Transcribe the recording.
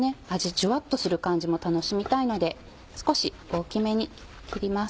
ジュワっとする感じも楽しみたいので少し大きめに切ります。